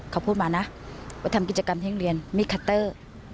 เขาพูดมานะว่าทำกิจกรรมที่โรงเรียนมิดคัตเตอร์